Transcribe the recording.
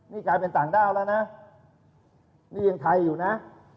นี่กลายเป็นต่างด้าวแล้วนะนี่ยังไทยอยู่นะ